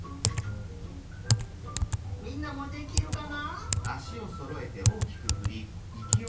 みんなもできるかな？